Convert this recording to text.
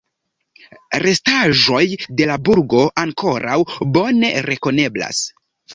Restaĵoj de la burgo ankoraŭ bone rekoneblas.